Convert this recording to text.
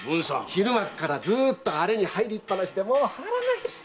昼間っからずっとあれに入りっぱなしでもう腹が減って腹が減って！